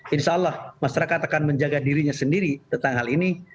insya allah masyarakat akan menjaga dirinya sendiri tentang hal ini